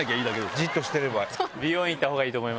じっとしてれば。